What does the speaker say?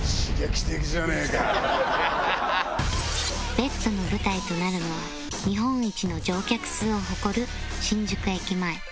ＢＥＴ の舞台となるのは日本一の乗客数を誇る新宿駅前